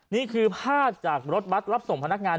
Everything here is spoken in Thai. นี่คือภาพจากรถบัตรรับส่งพนักงาน